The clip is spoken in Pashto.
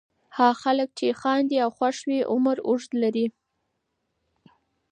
هغه خلک چې خاندي او خوښ وي عمر اوږد لري.